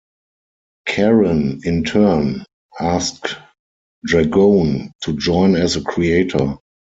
Caron, in turn, asked Dragone to join as a creator.